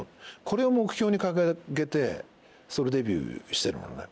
これを目標に掲げてソロデビューしてるのね。